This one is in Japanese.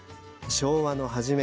昭和の初め